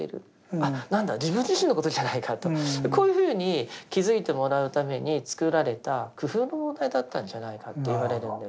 あっなんだ自分自身のことじゃないかとこういうふうに気付いてもらうために作られた工夫の問題だったんじゃないかといわれるんです。